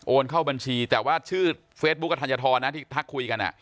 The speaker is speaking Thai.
เข้าบัญชีแต่ว่าชื่อเฟซบุ๊คกับธัญฑรนะที่ทักคุยกัน